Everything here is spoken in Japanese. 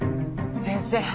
先生